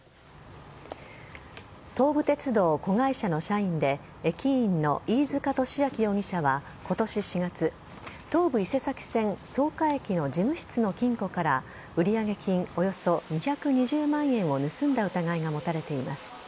東武鉄道子会社の社員で駅員の飯塚敏明容疑者は今年４月東武伊勢崎線・草加駅の事務室の金庫から売上金およそ２２０万円を盗んだ疑いが持たれています。